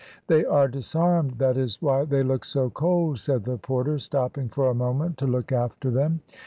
"They are disarmed, that is why they look so cold," said the porter stopping for a moment to look after them.